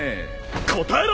答えろ！